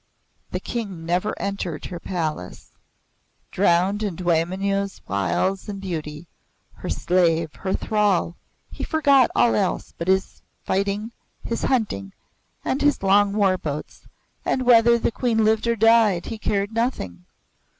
The King never entered her palace. Drowned in Dwaymenau's wiles and beauty, her slave, her thrall, he forgot all else but his fighting, his hunting and his long war boats, and whether the Queen lived or died, he cared nothing.